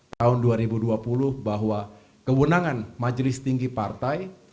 tahun dua ribu dua puluh bahwa kewenangan majelis tinggi partai